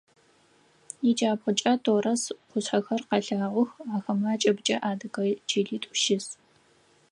Иджабгъукӏэ Торос къушъхьэхэр къэлъагъох, ахэмэ акӏыбыкӏэ адыгэ чылитӏу щыс.